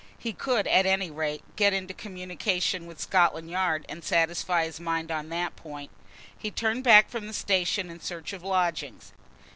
He could, at any rate, get into communication with Scotland Yard and satisfy his mind on that point. He turned back from the station in search of lodgings.